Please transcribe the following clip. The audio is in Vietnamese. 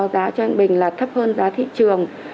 trang đã gửi hóa cho anh bình là thấp hơn giá thị trường